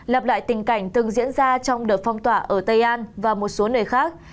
lặp lại tình cảnh từng diễn ra trong đợt phong tỏa ở tây an và một số nơi khác